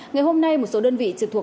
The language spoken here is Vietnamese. ngày hôm nay một số đơn vị trực thuộc